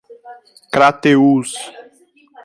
Crateús